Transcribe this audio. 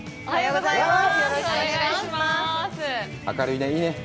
おはようございます。